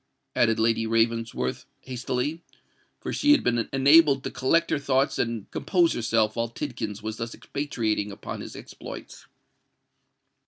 added Lady Ravensworth, hastily—for she had been enabled to collect her thoughts and compose herself while Tidkins was thus expatiating upon his exploits.